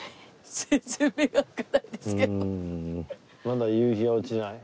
まだ夕日は落ちない？